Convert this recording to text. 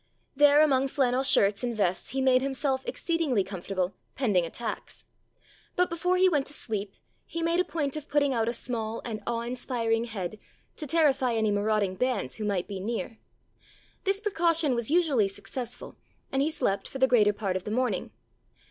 There among flannel shirts and vests he made him self exceedingly comfortable, pending attacks. But before he went to sleep he made a point of putting out a small and awe inspiring head to terrify any marauding bands who might be near. This precau 253 There Arose a King tion was usually successful, and he slept for the greater part of the morning.